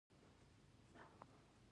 زړه د نرمۍ مرغلره ده.